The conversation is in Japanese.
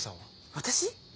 私？